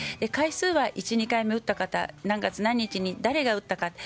回数は１、２回目打った方何月何日に誰が打ったか